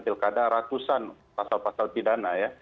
pilkada ratusan pasal pasal pidana ya